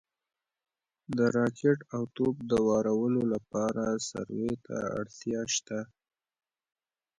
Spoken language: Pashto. د راکټ او توپ د وارولو لپاره سروې ته اړتیا شته